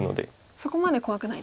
そこまで怖くないですね。